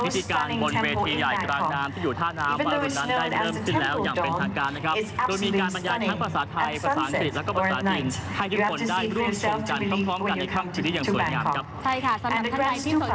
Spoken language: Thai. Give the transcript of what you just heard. สำหรับท่านใดที่สนใจจากร่วมสำคัญปีเกาะต้นรับปีใหม่ไทยแลนด์ฮังกาวร์๒๐๑๖พิเศษนะคะที่โรค